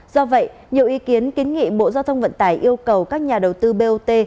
do vậy nhiều ý kiến kiến nghị bộ giao thông vận tải yêu cầu các nhà đầu tư bot